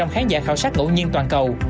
tám mươi bốn khán giả khảo sát ngẫu nhiên toàn cầu